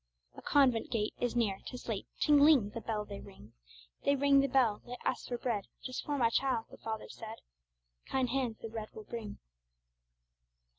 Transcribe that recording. A convent gate is near; 'tis late; Ting ling! the bell they ring. They ring the bell, they ask for bread "Just for my child," the father said. Kind hands the bread will bring.